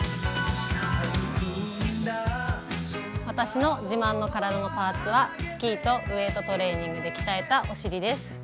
私の自慢の体のパーツはスキーとウエートトレーニングで鍛えたお尻です。